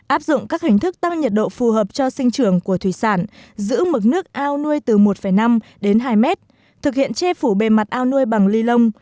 áp dụng các hình thức tăng nhiệt độ phù hợp cho sinh trưởng của thủy sản giữ mực nước ao nuôi từ một năm đến hai mét thực hiện che phủ bề mặt ao nuôi bằng ly lông